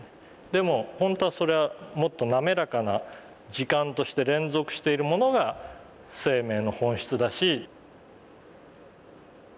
でも本当はそれはもっと滑らかな時間として連続しているものが生命の本質だし。